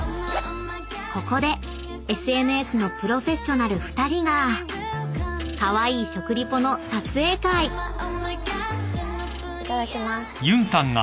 ［ここでＳＮＳのプロフェッショナル２人がカワイイ食リポの撮影会］いただきます。